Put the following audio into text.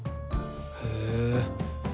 へえ。